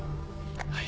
はい。